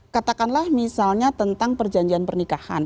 katakanlah misalnya tentang perjanjian pernikahan